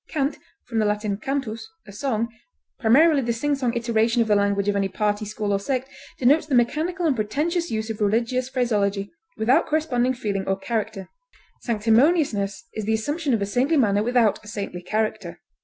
Cant (L. cantus, a song), primarily the singsong iteration of the language of any party, school, or sect, denotes the mechanical and pretentious use of religious phraseology, without corresponding feeling or character; sanctimoniousness is the assumption of a saintly manner without a saintly character.